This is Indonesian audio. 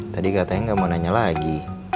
tadi katanya nggak mau nanya lagi